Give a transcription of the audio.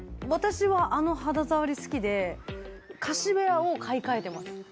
私はあの肌触り好きでカシウェアを買いかえてます。